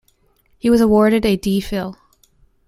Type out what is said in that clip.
He was awarded a D. Phil.